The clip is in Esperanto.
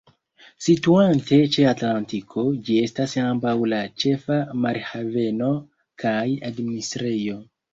Situante ĉe Atlantiko, ĝi estas ambaŭ la ĉefa marhaveno kaj administrejo.